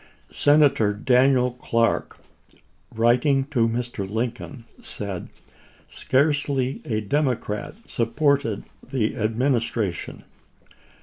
Senator Daniel Clark, writing to Mr. Lincoln, said :" Scarcely a Democrat supported the Administra tion.